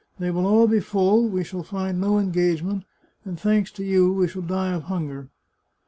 They will all be full, we shall find no engagement, and, thanks to you, we shall die of hunger."